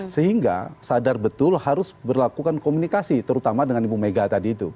sehingga sadar betul harus berlakukan komunikasi terutama dengan ibu mega tadi itu